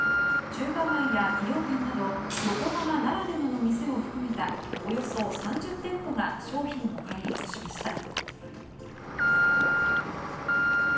中華街や崎陽軒など横浜ならではの店を含めたおよそ３０店舗が商品を開発しました。